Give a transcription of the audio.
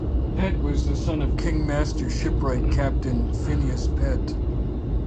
Pett was the son of the King's Master Shipwright Captain Phineas Pett.